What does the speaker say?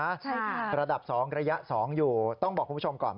ใช่ค่ะระดับ๒ระยะ๒อยู่ต้องบอกคุณผู้ชมก่อน